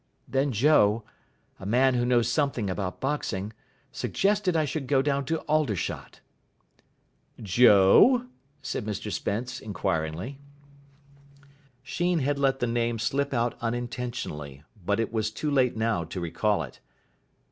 Then Joe a man who knows something about boxing suggested I should go down to Aldershot." "Joe?" said Mr Spence inquiringly. Sheen had let the name slip out unintentionally, but it was too late now to recall it.